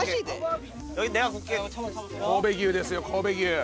神戸牛ですよ神戸牛。